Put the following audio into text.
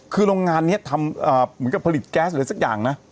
คือโรงงานนี้ทำเหมือนกับผลิตแก๊สอะไรสักอย่างนะ